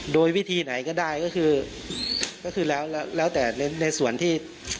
โดยวิธีไหนก็ได้ก็คือแล้วแล้วแต่ในส่วนที่